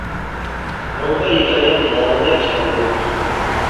«مىڭ بىر ھېكايەت» نامىدا كىتاب يوق.